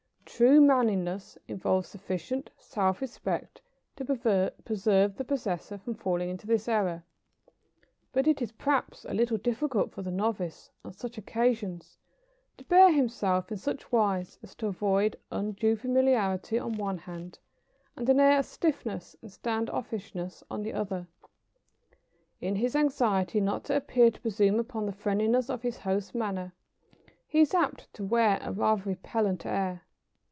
True manliness involves sufficient self respect to preserve the possessor from falling into this error; but it is, perhaps, a little difficult for the novice, on such occasions, to bear himself in such wise as to avoid undue familiarity on one hand and an air of stiffness and standoffishness on the other. In his anxiety not to appear to presume upon the friendliness of his host's manner, he is apt to wear a rather repellent air.